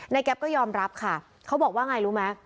นายแก๊บก็ยอมรับค่ะเค้าบอกว่าไงรู้มั้ย